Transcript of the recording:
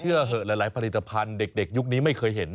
เหอะหลายผลิตภัณฑ์เด็กยุคนี้ไม่เคยเห็น